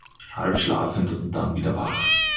Halb schlafend und dann wieder wach.